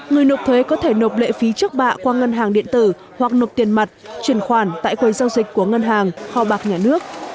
người nộp thuế có thể nộp lệ phí trước bạ qua ngân hàng điện tử hoặc nộp tiền mặt chuyển khoản tại quầy giao dịch của ngân hàng kho bạc nhà nước